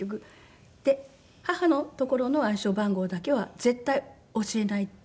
で母のところの暗証番号だけは絶対教えないって。